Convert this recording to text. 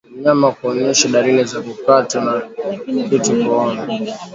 Mnyama kuonyesha dalili za kukatwa na kitu kooni